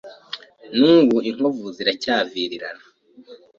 N’ubu inkovu ziracyavirirana